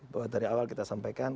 bahwa dari awal kita sampaikan